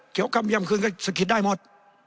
เขียวกับความยะมคืนก็สะกิดได้หมด